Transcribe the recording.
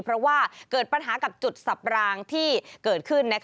เพราะว่าเกิดปัญหากับจุดสับรางที่เกิดขึ้น